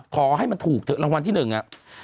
ขอให้มันถูกเถอะรางวัลที่หนึ่งอ่ะ